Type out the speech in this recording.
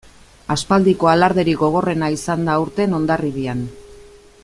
Aspaldiko alarderik gogorrena izan da aurten Hondarribian.